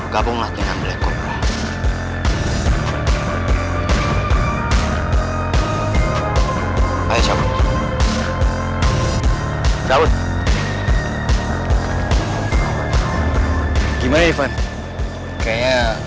gue kalah bukan gara gara gue gak bisa main basket ya